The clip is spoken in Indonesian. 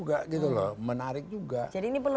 iya artinya yang mau dengan dia itu juga seksi seksi gitu loh